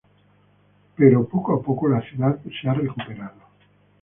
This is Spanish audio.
Pero poco a poco la ciudad se ha recuperado.